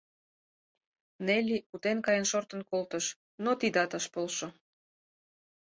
— Нелли утен каен шортын колтыш, но тидат ыш полшо.